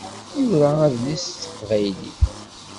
Yura adlis s teqbaylit.